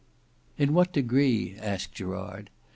"In what degree?" asked Gerard.